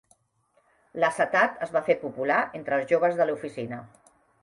L'acetat es va fer popular entre els joves de l'oficina.